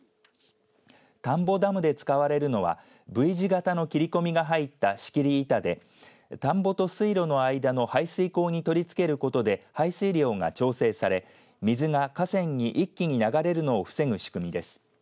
田んぼダムで使われるのはＶ字型の切り込みが入った仕切り板で田んぼと水路の間の排水溝に取りつけることで排水量が調整され水が河川に一気に流れるのを防ぐ仕組みです。